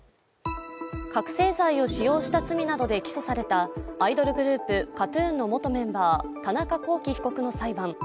覚醒剤を使用した罪などで起訴されたアイドルグループ・ＫＡＴ−ＴＵＮの元メンバー、田中聖被告の裁判。